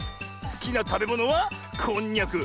すきなたべものはこんにゃく。